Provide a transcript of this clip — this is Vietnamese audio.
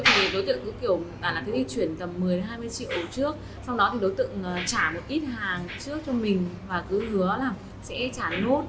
thì đối tượng cứ kiểu bà ấy thích thì chuyển tầm một mươi hai mươi triệu trước sau đó thì đối tượng trả một ít hàng trước cho mình và cứ hứa là sẽ trả nốt và cứ dụ mình để mình truyền khoản hết cọc cho